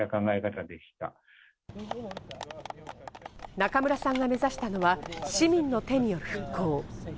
中村さんが目指したのは、市民の手による復興。